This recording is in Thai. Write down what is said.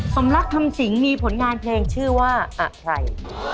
สมรักคำสิงมีผลงานเพลงชื่อว่าอะไร